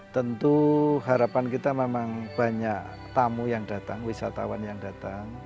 tentu harapan kita memang banyak tamu yang datang wisatawan yang datang